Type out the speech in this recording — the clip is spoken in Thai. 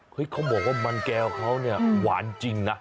เขาบอกว่ามันแก้วเขาเนี่ยหวานจริงนะ